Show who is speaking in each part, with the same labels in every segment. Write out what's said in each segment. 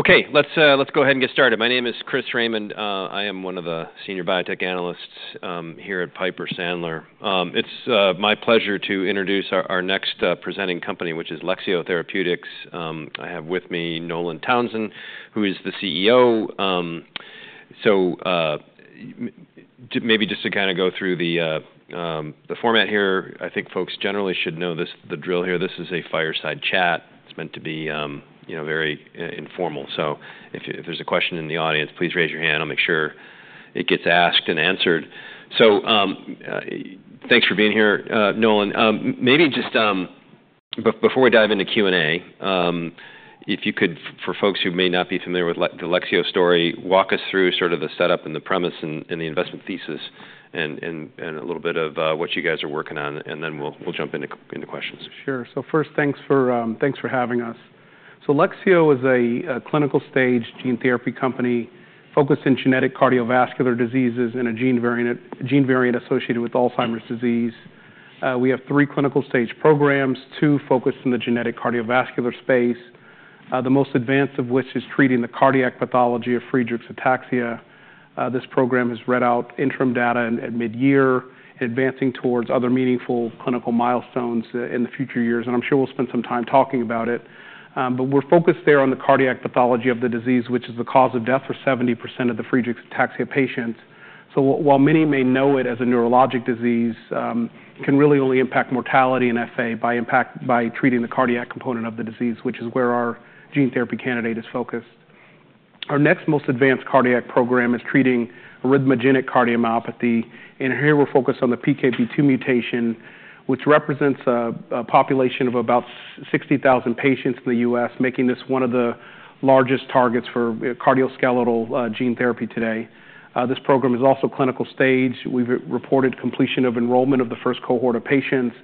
Speaker 1: Okay, let's go ahead and get started. My name is Chris Raymond. I am one of the senior biotech analysts here at Piper Sandler. It's my pleasure to introduce our next presenting company, which is Lexeo Therapeutics. I have with me Nolan Townsend, who is the CEO. So maybe just to kind of go through the format here, I think folks generally should know the drill here. This is a fireside chat. It's meant to be very informal. So if there's a question in the audience, please raise your hand. I'll make sure it gets asked and answered. So thanks for being here, Nolan. Maybe just before we dive into Q&A, if you could, for folks who may not be familiar with the Lexeo story, walk us through sort of the setup and the premise and the investment thesis and a little bit of what you guys are working on, and then we'll jump into questions. Sure, so first, thanks for having us, so Lexeo is a clinical stage gene therapy company focused in genetic cardiovascular diseases and a gene variant associated with Alzheimer's disease. We have three clinical stage programs, two focused in the genetic cardiovascular space, the most advanced of which is treating the cardiac pathology of Friedreich's ataxia. This program has read out interim data at mid-year, advancing towards other meaningful clinical milestones in the future years, and I'm sure we'll spend some time talking about it, but we're focused there on the cardiac pathology of the disease, which is the cause of death for 70% of the Friedreich's ataxia patients, so while many may know it as a neurologic disease, it can really only impact mortality and FA by treating the cardiac component of the disease, which is where our gene therapy candidate is focused. Our next most advanced cardiac program is treating arrhythmogenic cardiomyopathy. And here we're focused on the PKP2 mutation, which represents a population of about 60,000 patients in the U.S., making this one of the largest targets for cardioskeletal gene therapy today. This program is also clinical stage. We've reported completion of enrollment of the first cohort of patients.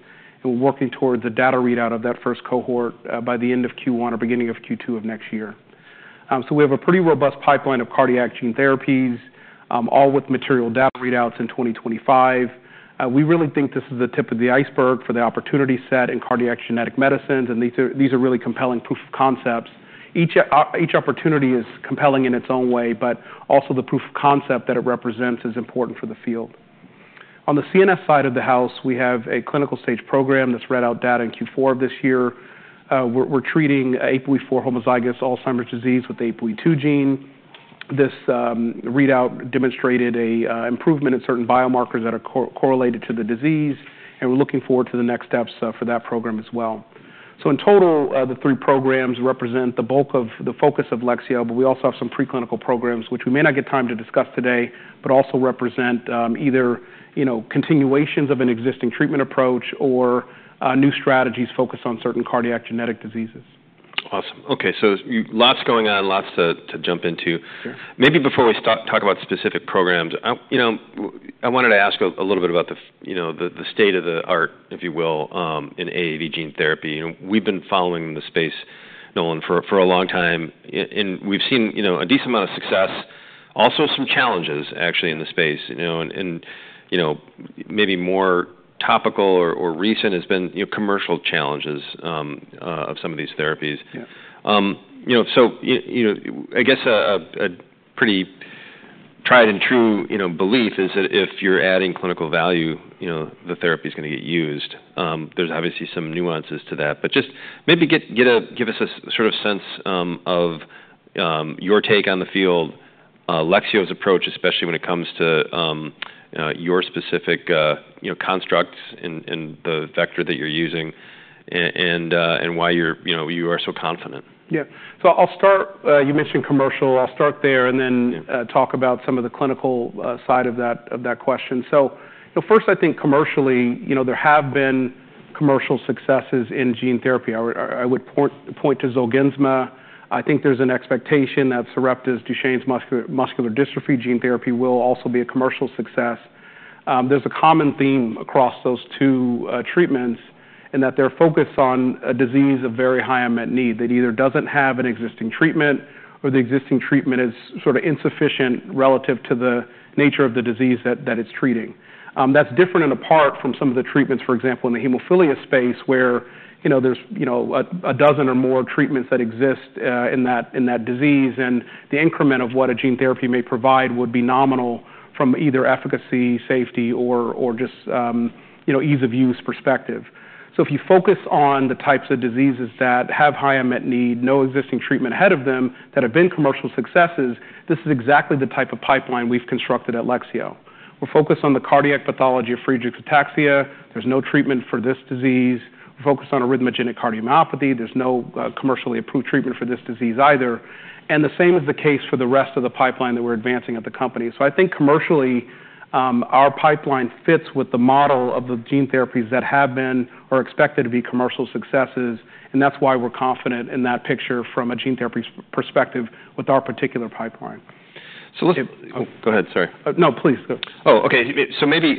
Speaker 1: And we're working towards a data readout of that first cohort by the end of Q1 or beginning of Q2 of next year. So we have a pretty robust pipeline of cardiac gene therapies, all with material data readouts in 2025. We really think this is the tip of the iceberg for the opportunity set in cardiac genetic medicines. And these are really compelling proof of concepts. Each opportunity is compelling in its own way, but also the proof of concept that it represents is important for the field. On the CNS side of the house, we have a clinical stage program that's read out data in Q4 of this year. We're treating APOE4 homozygous Alzheimer's disease with the APOE2 gene. This readout demonstrated an improvement in certain biomarkers that are correlated to the disease. And we're looking forward to the next steps for that program as well. So in total, the three programs represent the bulk of the focus of Lexeo. But we also have some preclinical programs, which we may not get time to discuss today, but also represent either continuations of an existing treatment approach or new strategies focused on certain cardiac genetic diseases. Awesome. Okay, so lots going on, lots to jump into. Maybe before we talk about specific programs, I wanted to ask a little bit about the state of the art, if you will, in AAV gene therapy. We've been following the space, Nolan, for a long time, and we've seen a decent amount of success, also some challenges, actually, in the space, and maybe more topical or recent has been commercial challenges of some of these therapies. So I guess a pretty tried and true belief is that if you're adding clinical value, the therapy is going to get used. There's obviously some nuances to that, but just maybe give us a sort of sense of your take on the field, Lexeo's approach, especially when it comes to your specific constructs and the vector that you're using, and why you are so confident. Yeah, so you mentioned commercial. I'll start there and then talk about some of the clinical side of that question. So, first, I think commercially, there have been commercial successes in gene therapy. I would point to Zolgensma. I think there's an expectation that Sarepta's Duchenne muscular dystrophy gene therapy will also be a commercial success. There's a common theme across those two treatments in that they're focused on a disease of very high unmet need. That either doesn't have an existing treatment or the existing treatment is sort of insufficient relative to the nature of the disease that it's treating. That's different and apart from some of the treatments, for example, in the hemophilia space, where there's a dozen or more treatments that exist in that disease. The increment of what a gene therapy may provide would be nominal from either efficacy, safety, or just ease of use perspective. If you focus on the types of diseases that have high unmet need, no existing treatment ahead of them, that have been commercial successes, this is exactly the type of pipeline we've constructed at Lexeo. We're focused on the cardiac pathology of Friedreich's ataxia. There's no treatment for this disease. We're focused on arrhythmogenic cardiomyopathy. There's no commercially approved treatment for this disease either. The same is the case for the rest of the pipeline that we're advancing at the company. I think commercially, our pipeline fits with the model of the gene therapies that have been or are expected to be commercial successes. That's why we're confident in that picture from a gene therapy perspective with our particular pipeline. So let's.
Speaker 2: Oh, go ahead. Sorry.
Speaker 1: No, please. Oh, okay. So maybe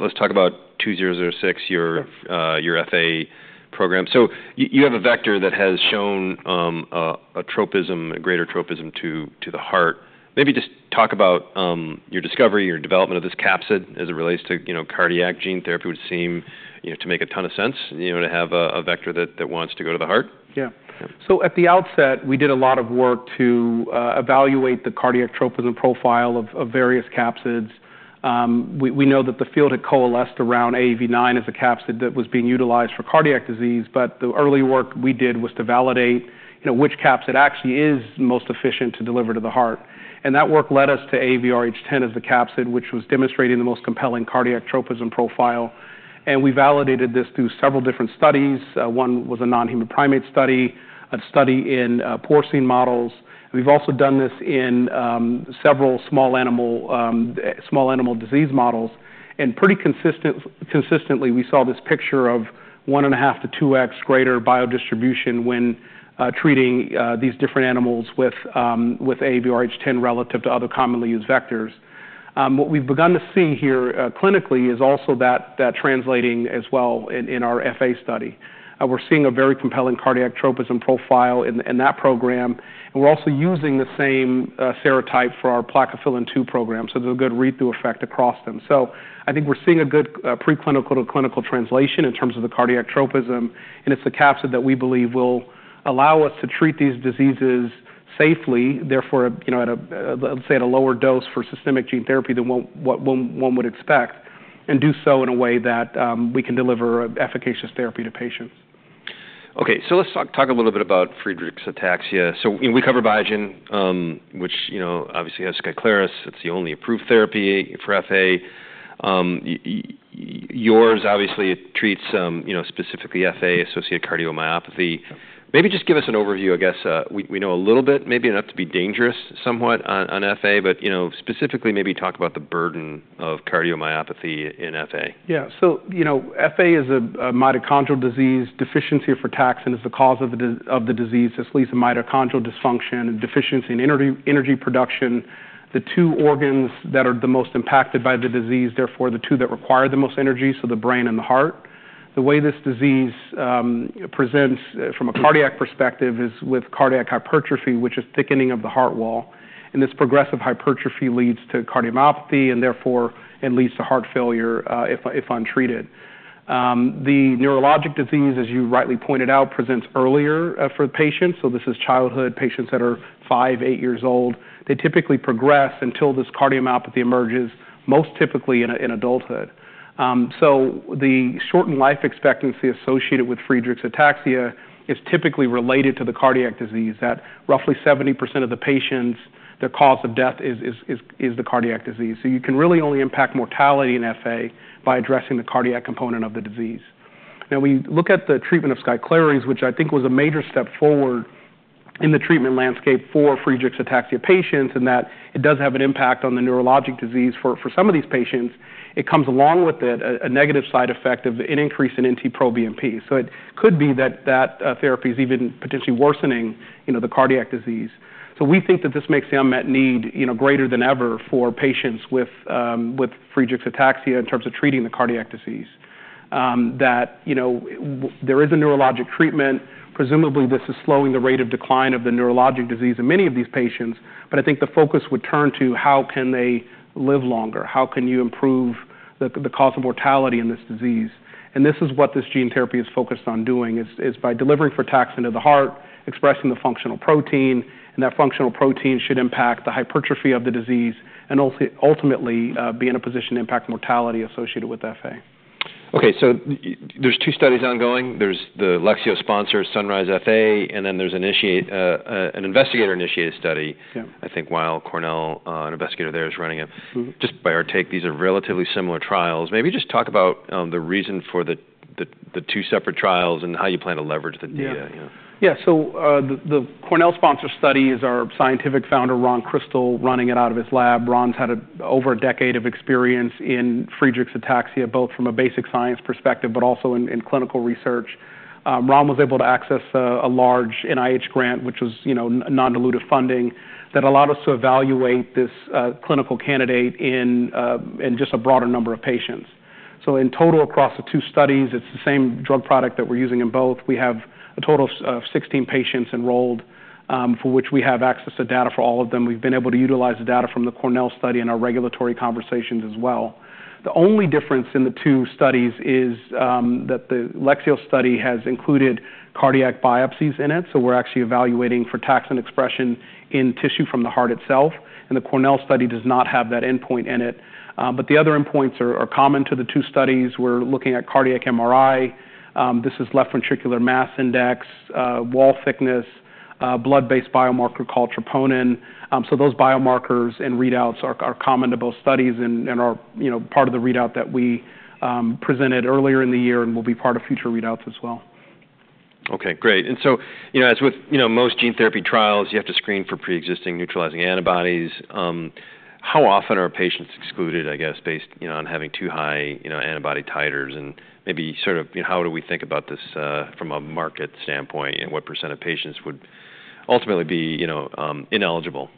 Speaker 1: let's talk about 2006, your FA program. So you have a vector that has shown a tropism, a greater tropism to the heart. Maybe just talk about your discovery, your development of this capsid as it relates to cardiac gene therapy. Would seem to make a ton of sense to have a vector that wants to go to the heart.
Speaker 2: Yeah, so at the outset, we did a lot of work to evaluate the cardiac tropism profile of various capsids. We know that the field had coalesced around AAV9 as a capsid that was being utilized for cardiac disease, but the early work we did was to validate which capsid actually is most efficient to deliver to the heart, and that work led us to AAVrh.10 as the capsid, which was demonstrating the most compelling cardiac tropism profile, and we validated this through several different studies. One was a non-human primate study, a study in porcine models. We've also done this in several small animal disease models, and pretty consistently, we saw this picture of 1.5 to 2x greater biodistribution when treating these different animals with AAVrh.10 relative to other commonly used vectors. What we've begun to see here clinically is also that translating as well in our FA study. We're seeing a very compelling cardiac tropism profile in that program. And we're also using the same serotype for our Plakophilin-2 program. So there's a good read-through effect across them. So I think we're seeing a good preclinical to clinical translation in terms of the cardiac tropism. And it's the capsid that we believe will allow us to treat these diseases safely, therefore, let's say at a lower dose for systemic gene therapy than one would expect, and do so in a way that we can deliver efficacious therapy to patients.
Speaker 1: Okay, so let's talk a little bit about Friedreich's ataxia. So we cover Biogen, which obviously has Skyclarys. It's the only approved therapy for FA. Yours, obviously, it treats specifically FA-associated cardiomyopathy. Maybe just give us an overview, I guess. We know a little bit, maybe enough to be dangerous somewhat on FA. But specifically, maybe talk about the burden of cardiomyopathy in FA.
Speaker 2: Yeah. So FA is a mitochondrial disease. Deficiency of the frataxin is the cause of the disease. This leads to mitochondrial dysfunction and deficiency in energy production, the two organs that are the most impacted by the disease, therefore the two that require the most energy, so the brain and the heart. The way this disease presents from a cardiac perspective is with cardiac hypertrophy, which is thickening of the heart wall. And this progressive hypertrophy leads to cardiomyopathy and therefore leads to heart failure if untreated. The neurologic disease, as you rightly pointed out, presents earlier for the patients. So this is childhood patients that are five, eight years old. They typically progress until this cardiomyopathy emerges, most typically in adulthood. So the shortened life expectancy associated with Friedreich's ataxia is typically related to the cardiac disease. At roughly 70% of the patients, their cause of death is the cardiac disease. You can really only impact mortality in FA by addressing the cardiac component of the disease. Now, we look at the treatment of Skyclarys, which I think was a major step forward in the treatment landscape for Friedreich's ataxia patients in that it does have an impact on the neurologic disease. For some of these patients, it comes along with a negative side effect of an increase in NT-proBNP. It could be that that therapy is even potentially worsening the cardiac disease. We think that this makes the unmet need greater than ever for patients with Friedreich's ataxia in terms of treating the cardiac disease, that there is a neurologic treatment. Presumably, this is slowing the rate of decline of the neurologic disease in many of these patients. But I think the focus would turn to how can they live longer? How can you improve the cause of mortality in this disease? And this is what this gene therapy is focused on doing, is by delivering frataxin to the heart, expressing the functional protein. And that functional protein should impact the hypertrophy of the disease and ultimately be in a position to impact mortality associated with FA.
Speaker 1: Okay, so there's two studies ongoing. There's the Lexeo-sponsored SUNRISE-FA, and then there's an investigator-initiated study, I think, at Weill Cornell, an investigator there, is running it. Just by our take, these are relatively similar trials. Maybe just talk about the reason for the two separate trials and how you plan to leverage the data.
Speaker 2: Yeah, so the Cornell-sponsored study is our scientific founder, Ron Crystal, running it out of his lab. Ron's had over a decade of experience in Friedreich's ataxia, both from a basic science perspective but also in clinical research. Ron was able to access a large NIH grant, which was non-dilutive funding, that allowed us to evaluate this clinical candidate in just a broader number of patients. So, in total, across the two studies, it's the same drug product that we're using in both. We have a total of 16 patients enrolled, for which we have access to data for all of them. We've been able to utilize the data from the Cornell study in our regulatory conversations as well. The only difference in the two studies is that the Lexeo study has included cardiac biopsies in it. So, we're actually evaluating for frataxin expression in tissue from the heart itself. The Cornell study does not have that endpoint in it. The other endpoints are common to the two studies. We're looking at cardiac MRI. This is left ventricular mass index, wall thickness, blood-based biomarker called troponin. Those biomarkers and readouts are common to both studies and are part of the readout that we presented earlier in the year and will be part of future readouts as well.
Speaker 1: Okay, great. And so as with most gene therapy trials, you have to screen for pre-existing neutralizing antibodies. How often are patients excluded, I guess, based on having too high antibody titers? And maybe sort of how do we think about this from a market standpoint? And what % of patients would ultimately be ineligible?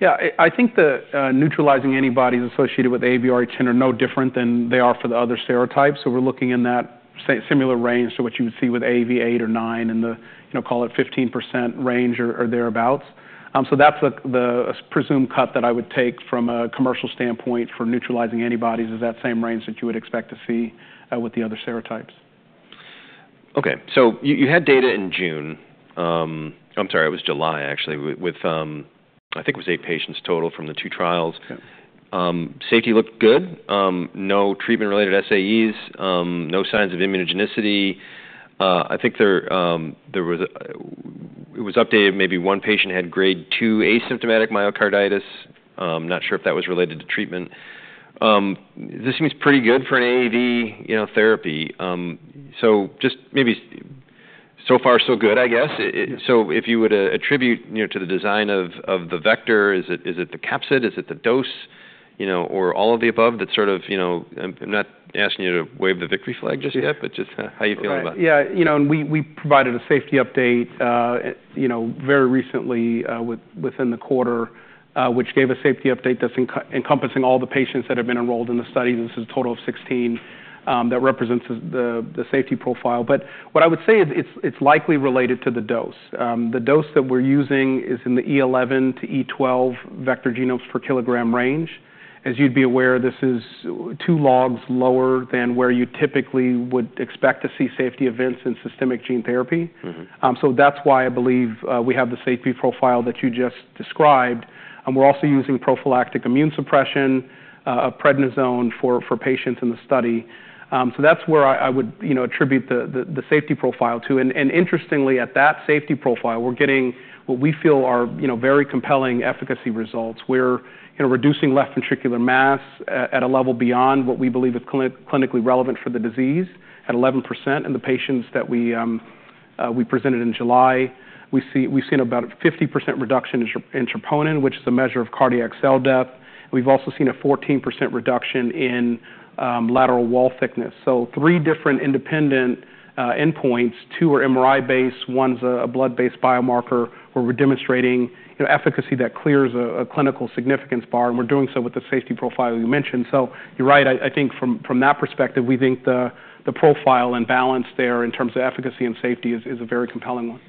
Speaker 2: Yeah, I think the neutralizing antibodies associated with AAVrh.10 are no different than they are for the other serotypes. So we're looking in that similar range to what you would see with AAV8 or AAV9 in the, call it, 15% range or thereabouts. So that's the presumed cut that I would take from a commercial standpoint for neutralizing antibodies is that same range that you would expect to see with the other serotypes.
Speaker 1: Okay, so you had data in June. I'm sorry, it was July, actually, with I think it was eight patients total from the two trials. Safety looked good. No treatment-related SAEs. No signs of immunogenicity. I think it was updated. Maybe one patient had grade 2 asymptomatic myocarditis. I'm not sure if that was related to treatment. This seems pretty good for an AAV therapy. So just maybe so far, so good, I guess. So if you would attribute to the design of the vector, is it the capsid? Is it the dose? Or all of the above that sort of I'm not asking you to wave the victory flag just yet, but just how you feel about it.
Speaker 2: Yeah, and we provided a safety update very recently within the quarter, which gave a safety update that's encompassing all the patients that have been enrolled in the study. This is a total of 16 that represents the safety profile. But what I would say is it's likely related to the dose. The dose that we're using is in the 10^11 to 10^12 vector genomes per kilogram range. As you'd be aware, this is two logs lower than where you typically would expect to see safety events in systemic gene therapy. So that's why I believe we have the safety profile that you just described. And we're also using prophylactic immune suppression, prednisone, for patients in the study. So that's where I would attribute the safety profile to. And interestingly, at that safety profile, we're getting what we feel are very compelling efficacy results. We're reducing left ventricular mass at a level beyond what we believe is clinically relevant for the disease at 11%. In the patients that we presented in July, we've seen about a 50% reduction in troponin, which is a measure of cardiac cell death. We've also seen a 14% reduction in lateral wall thickness. So three different independent endpoints. Two are MRI-based. One's a blood-based biomarker where we're demonstrating efficacy that clears a clinical significance bar. And we're doing so with the safety profile you mentioned. So you're right. I think from that perspective, we think the profile and balance there in terms of efficacy and safety is a very compelling one.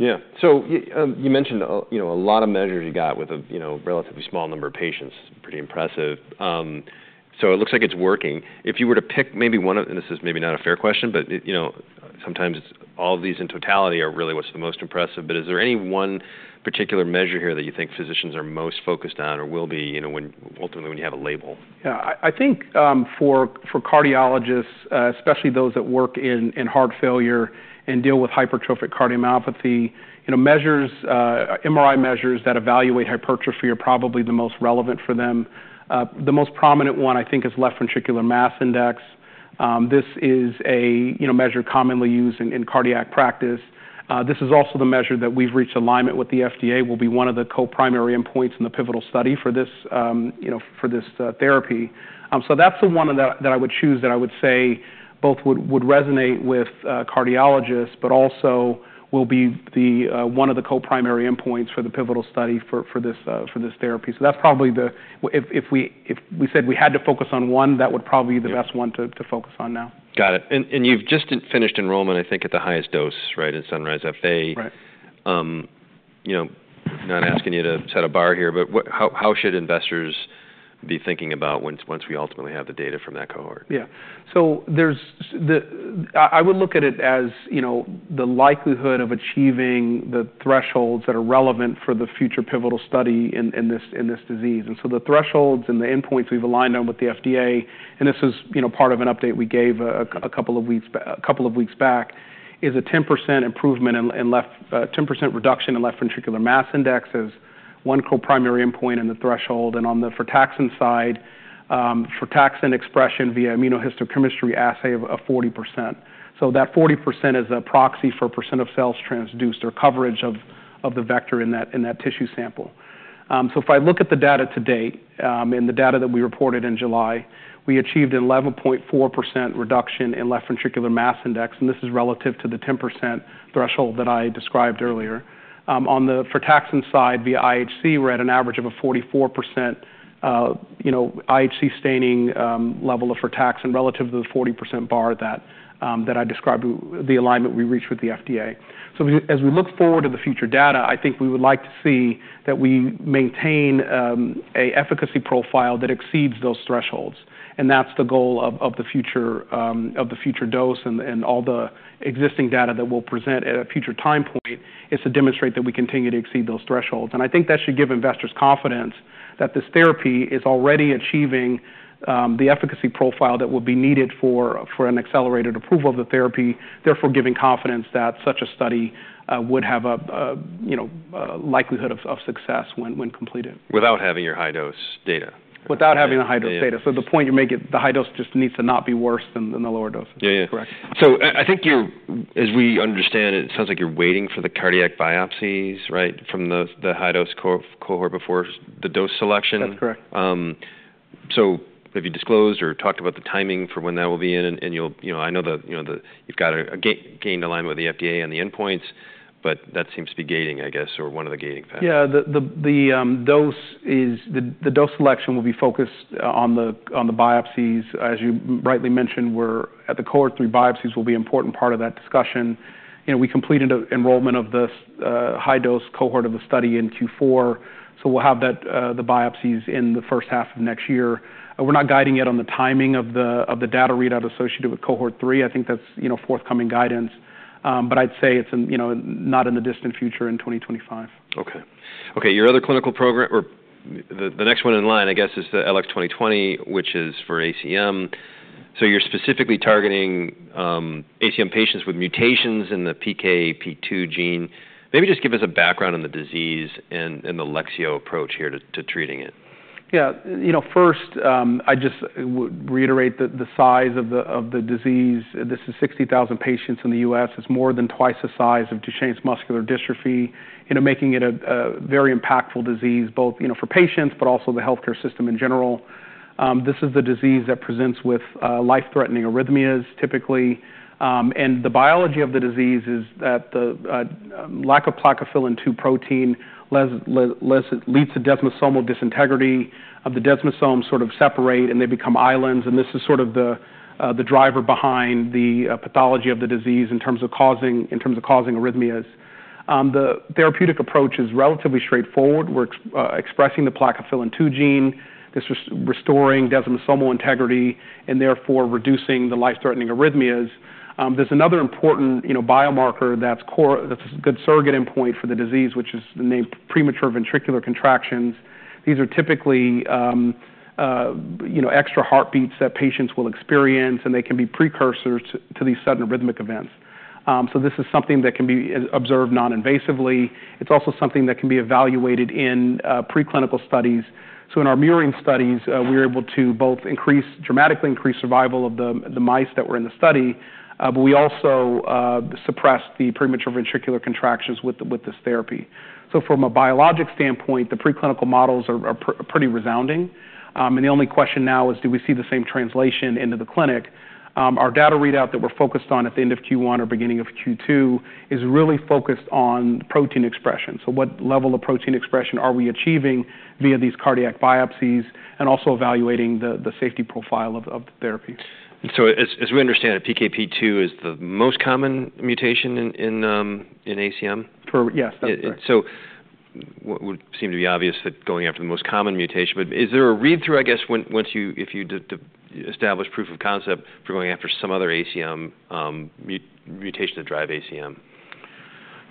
Speaker 1: Yeah, so you mentioned a lot of measures you got with a relatively small number of patients. Pretty impressive. So it looks like it's working. If you were to pick maybe one of, and this is maybe not a fair question, but sometimes all of these in totality are really what's the most impressive. But is there any one particular measure here that you think physicians are most focused on or will be when ultimately you have a label?
Speaker 2: Yeah, I think for cardiologists, especially those that work in heart failure and deal with hypertrophic cardiomyopathy, MRI measures that evaluate hypertrophy are probably the most relevant for them. The most prominent one, I think, is left ventricular mass index. This is a measure commonly used in cardiac practice. This is also the measure that we've reached alignment with the FDA, will be one of the co-primary endpoints in the pivotal study for this therapy. So that's the one that I would choose that I would say both would resonate with cardiologists, but also will be one of the co-primary endpoints for the pivotal study for this therapy. So that's probably the if we said we had to focus on one, that would probably be the best one to focus on now.
Speaker 1: Got it, and you've just finished enrollment, I think, at the highest dose, right, in SUNRISE-FA.
Speaker 2: Right.
Speaker 1: Not asking you to set a bar here, but how should investors be thinking about once we ultimately have the data from that cohort?
Speaker 2: Yeah, so I would look at it as the likelihood of achieving the thresholds that are relevant for the future pivotal study in this disease. And so the thresholds and the endpoints we've aligned on with the FDA, and this is part of an update we gave a couple of weeks back, is a 10% improvement and 10% reduction in left ventricular mass index. There's one co-primary endpoint in the threshold. And on the frataxin side, frataxin expression via immunohistochemistry assay of 40%. So that 40% is a proxy for percent of cells transduced or coverage of the vector in that tissue sample. So if I look at the data to date and the data that we reported in July, we achieved an 11.4% reduction in left ventricular mass index. And this is relative to the 10% threshold that I described earlier. On the frataxin side via IHC, we're at an average of a 44% IHC staining level of frataxin relative to the 40% bar that I described, the alignment we reached with the FDA. So as we look forward to the future data, I think we would like to see that we maintain an efficacy profile that exceeds those thresholds. And that's the goal of the future dose and all the existing data that we'll present at a future time point is to demonstrate that we continue to exceed those thresholds. And I think that should give investors confidence that this therapy is already achieving the efficacy profile that will be needed for an accelerated approval of the therapy, therefore giving confidence that such a study would have a likelihood of success when completed.
Speaker 1: Without having your high-dose data. Without having the high-dose data. So the point you're making, the high dose just needs to not be worse than the lower doses. Yeah, yeah. Correct. So I think you're, as we understand it, it sounds like you're waiting for the cardiac biopsies, right, from the high-dose cohort before the dose selection?
Speaker 2: That's correct.
Speaker 1: Have you disclosed or talked about the timing for when that will be in? And I know that you've gained alignment with the FDA on the endpoints, but that seems to be a gating, I guess, or one of the gating factors.
Speaker 2: Yeah, the dose selection will be focused on the biopsies. As you rightly mentioned, at the cohort three, biopsies will be an important part of that discussion. We completed enrollment of the high-dose cohort of the study in Q4. So we'll have the biopsies in the first half of next year. We're not guiding yet on the timing of the data readout associated with cohort three. I think that's forthcoming guidance. But I'd say it's not in the distant future in 2025.
Speaker 1: Okay. Okay, your other clinical program or the next one in line, I guess, is the LX2020, which is for ACM. So you're specifically targeting ACM patients with mutations in the PKP2 gene. Maybe just give us a background on the disease and the Lexeo approach here to treating it?
Speaker 2: Yeah, first, I just would reiterate the size of the disease. This is 60,000 patients in the U.S. It's more than twice the size of Duchenne's muscular dystrophy, making it a very impactful disease both for patients but also the healthcare system in general. This is the disease that presents with life-threatening arrhythmias, typically. And the biology of the disease is that the lack of plakophilin-2 protein leads to desmosomal disintegrity. The desmosomes sort of separate, and they become islands. And this is sort of the driver behind the pathology of the disease in terms of causing arrhythmias. The therapeutic approach is relatively straightforward. We're expressing the plakophilin-2 gene. This is restoring desmosomal integrity and therefore reducing the life-threatening arrhythmias. There's another important biomarker that's a good surrogate endpoint for the disease, which is the name premature ventricular contractions. These are typically extra heartbeats that patients will experience, and they can be precursors to these sudden arrhythmic events. So this is something that can be observed non-invasively. It's also something that can be evaluated in preclinical studies. So in our murine studies, we were able to both dramatically increase survival of the mice that were in the study, but we also suppressed the premature ventricular contractions with this therapy. So from a biologic standpoint, the preclinical models are pretty resounding. And the only question now is, do we see the same translation into the clinic? Our data readout that we're focused on at the end of Q1 or beginning of Q2 is really focused on protein expression. So what level of protein expression are we achieving via these cardiac biopsies and also evaluating the safety profile of the therapy?
Speaker 1: So as we understand it, PKP2 is the most common mutation in ACM?
Speaker 2: Yes, that's right.
Speaker 1: So it would seem to be obvious that going after the most common mutation, but is there a read-through, I guess, if you establish proof of concept for going after some other ACM mutation to drive ACM?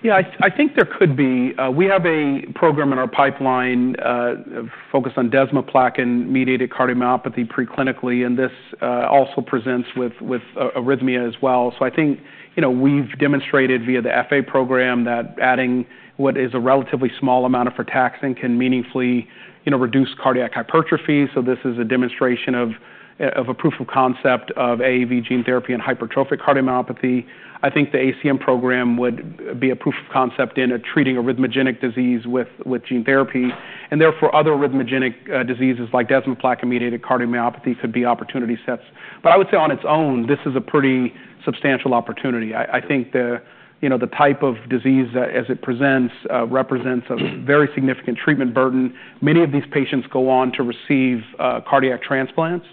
Speaker 2: Yeah, I think there could be. We have a program in our pipeline focused on desmoplakin-mediated cardiomyopathy preclinically, and this also presents with arrhythmia as well, so I think we've demonstrated via the FA program that adding what is a relatively small amount of frataxin can meaningfully reduce cardiac hypertrophy, so this is a demonstration of a proof of concept of AAV gene therapy and hypertrophic cardiomyopathy. I think the ACM program would be a proof of concept in treating arrhythmogenic disease with gene therapy, and therefore, other arrhythmogenic diseases like desmoplakin-mediated cardiomyopathy could be opportunity sets, but I would say on its own, this is a pretty substantial opportunity. I think the type of disease that, as it presents, represents a very significant treatment burden. Many of these patients go on to receive cardiac transplants,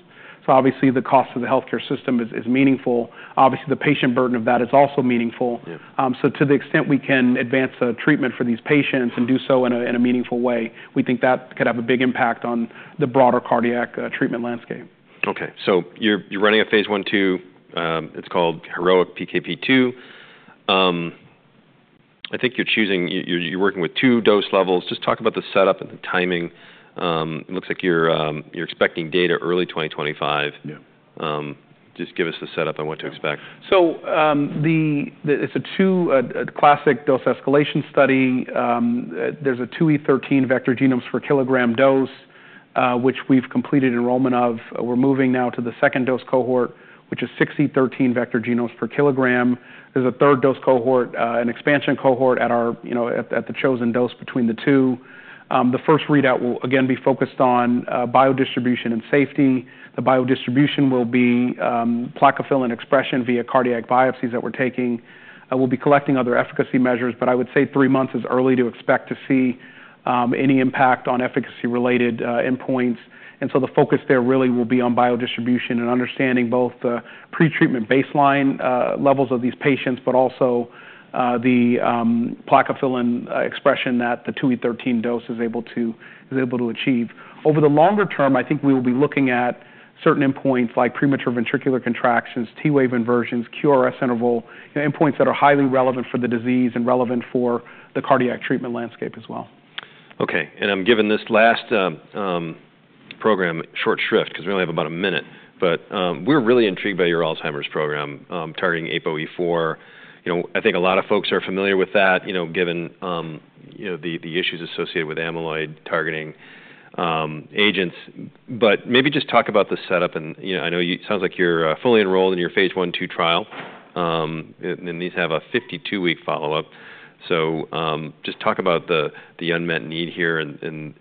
Speaker 2: so obviously, the cost of the healthcare system is meaningful. Obviously, the patient burden of that is also meaningful. So to the extent we can advance treatment for these patients and do so in a meaningful way, we think that could have a big impact on the broader cardiac treatment landscape.
Speaker 1: Okay, so you're running a phase 1-2. It's called HEROIC-PKP2. I think you're working with two dose levels. Just talk about the setup and the timing. It looks like you're expecting data early 2025. Just give us the setup and what to expect.
Speaker 2: So it's a two classic dose escalation study. There's a 2E13 vector genomes per kilogram dose, which we've completed enrollment of. We're moving now to the second dose cohort, which is 6E13 vector genomes per kilogram. There's a third dose cohort, an expansion cohort at the chosen dose between the two. The first readout will again be focused on biodistribution and safety. The biodistribution will be plakophilin expression via cardiac biopsies that we're taking. We'll be collecting other efficacy measures, but I would say three months is early to expect to see any impact on efficacy-related endpoints. And so the focus there really will be on biodistribution and understanding both the pretreatment baseline levels of these patients, but also the plakophilin expression that the 2E13 dose is able to achieve. Over the longer term, I think we will be looking at certain endpoints like premature ventricular contractions, T-wave inversions, QRS interval, endpoints that are highly relevant for the disease and relevant for the cardiac treatment landscape as well.
Speaker 1: Okay, and I'm giving this last program short shrift because we only have about a minute. But we're really intrigued by your Alzheimer's program targeting APOE4. I think a lot of folks are familiar with that given the issues associated with amyloid targeting agents. But maybe just talk about the setup. And I know it sounds like you're fully enrolled in your phase 1-2 trial. And these have a 52-week follow-up. So just talk about the unmet need here and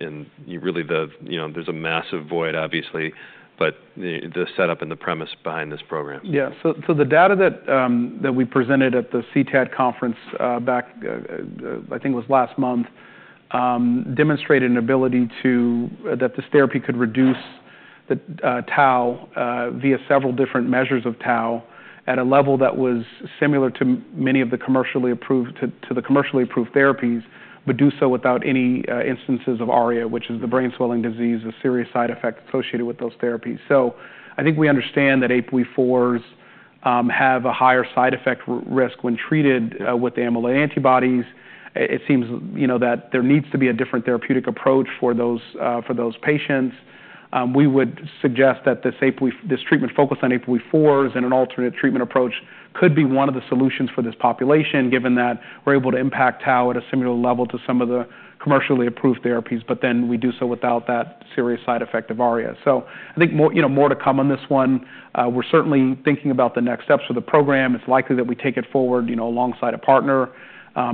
Speaker 1: really there's a massive void, obviously, but the setup and the premise behind this program.
Speaker 2: Yeah, so the data that we presented at the CTAD conference back, I think it was last month, demonstrated an ability that this therapy could reduce Tau via several different measures of Tau at a level that was similar to many of the commercially approved therapies, but do so without any instances of ARIA, which is the brain swelling disease, a serious side effect associated with those therapies. So I think we understand that APOE4s have a higher side effect risk when treated with amyloid antibodies. It seems that there needs to be a different therapeutic approach for those patients. We would suggest that this treatment focused on APOE4s and an alternate treatment approach could be one of the solutions for this population, given that we're able to impact Tau at a similar level to some of the commercially approved therapies, but then we do so without that serious side effect of ARIA. So I think more to come on this one. We're certainly thinking about the next steps of the program. It's likely that we take it forward alongside a partner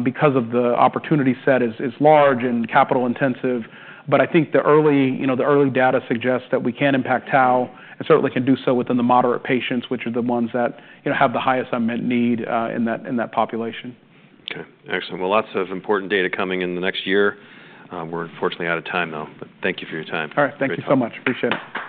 Speaker 2: because the opportunity set is large and capital-intensive. But I think the early data suggests that we can impact Tau and certainly can do so within the moderate patients, which are the ones that have the highest unmet need in that population.
Speaker 1: Okay, excellent. Well, lots of important data coming in the next year. We're unfortunately out of time, though. But thank you for your time.
Speaker 2: All right, thank you so much. Appreciate it.